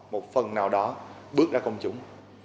một phần nào đó bước ra công chúng